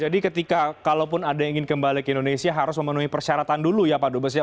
jadi ketika kalaupun ada yang ingin kembali ke indonesia harus memenuhi persyaratan dulu ya pak dobes ya